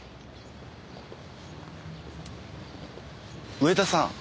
上田さん。